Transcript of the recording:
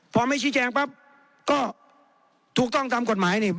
พอไม่ชี้แจงปั๊บก็ถูกต้องตามกฎหมายนี่